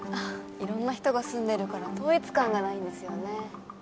色んな人が住んでるから統一感がないんですよね